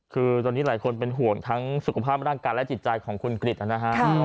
คือตอนนี้หลายคนเป็นห่วงทั้งสุขภาพร่างกายและจิตใจของคุณกริจนะฮะ